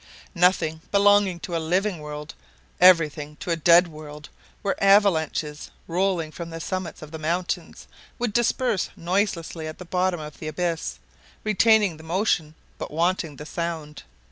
Nothing belonging to a living world—everything to a dead world, where avalanches, rolling from the summits of the mountains, would disperse noiselessly at the bottom of the abyss, retaining the motion, but wanting the sound.